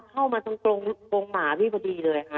เข้ามาตรงหมาพี่พอดีเลยค่ะ